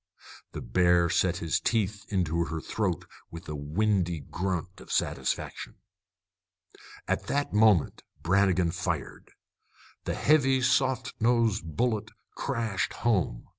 The bear set his teeth into her throat with a windy grunt of satisfaction. At that moment Brannigan fired. The heavy soft nosed bullet crashed home.